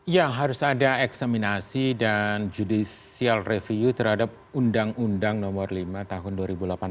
ya harus ada eksaminasi dan judicial review terhadap undang undang nomor lima tahun dua ribu delapan belas